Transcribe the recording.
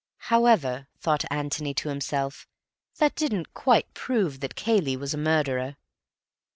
However, thought Antony to himself, that didn't quite prove that Cayley was a murderer.